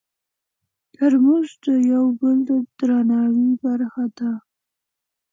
ترموز د یو بل د درناوي برخه ده.